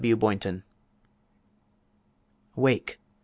W. BOYNTON Wake!